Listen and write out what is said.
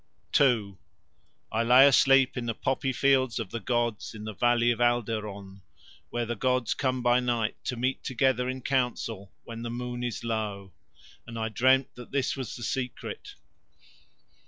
II I lay asleep in the poppy fields of the gods in the valley of Alderon, where the gods come by night to meet together in council when the moon is low. And I dreamed that this was the Secret.